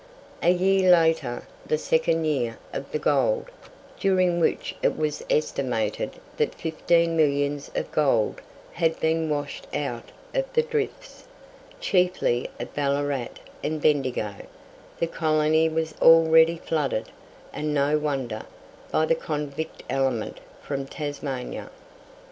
A year later, the second year of the gold, during which it was estimated that fifteen millions of gold had been washed out of the drifts, chiefly of Ballarat and Bendigo, the colony was already flooded, and no wonder, by the convict element from Tasmania.